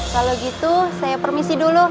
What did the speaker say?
kalau gitu saya permisi dulu